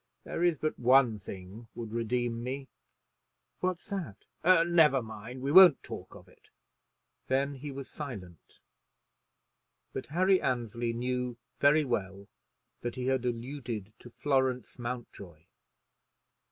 There is but one thing would redeem me." "What's that?" "Never mind. We won't talk of it." Then he was silent, but Harry Annesley knew very well that he had alluded to Florence Mountjoy.